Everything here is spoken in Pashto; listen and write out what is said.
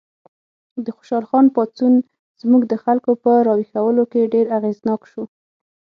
د خوشحال خان پاڅون زموږ د خلکو په راویښولو کې ډېر اغېزناک شو.